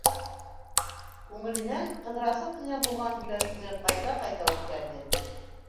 Күңеленән Ҡыҙрасов менән булған һөйләшеүҙе ҡайта-ҡайта үткәрҙе.